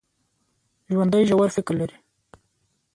ژوندي ژور فکر لري